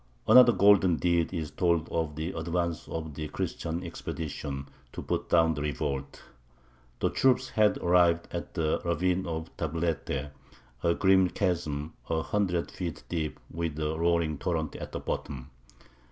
Another golden deed is told of the advance of the Christian expedition to put down the revolt. The troops had arrived at the ravine of Tablete, a grim chasm, a hundred feet deep, with a roaring torrent at the bottom.